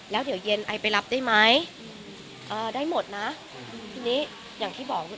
แล้วเดี๋ยวเย็นไอไปรับได้ไหมเอ่อได้หมดนะทีนี้อย่างที่บอกคือ